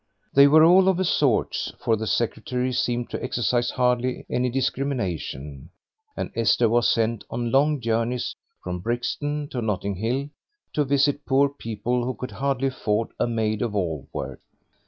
They were of all sorts, for the secretary seemed to exercise hardly any discrimination, and Esther was sent on long journeys from Brixton to Notting Hill to visit poor people who could hardly afford a maid of all work.